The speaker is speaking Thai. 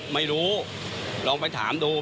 ไม่รู้ลองไปถามดู